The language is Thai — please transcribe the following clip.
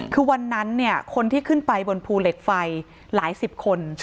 คือวันนั้นคนที่ขึ้นไปบนภูเหล็กไฟหลายสิบคน